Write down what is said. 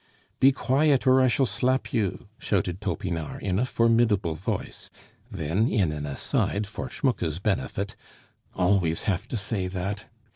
"Be quiet! or I shall slap you!" shouted Topinard in a formidable voice; then in an aside for Schmucke's benefit "Always have to say that!